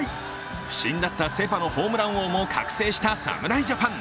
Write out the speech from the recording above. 不振だったセ・パのホームラン王も覚醒した侍ジャパン。